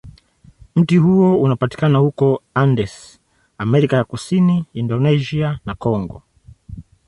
Mti huo unapatikana huko Andes, Amerika ya Kusini, Indonesia, na Kongo.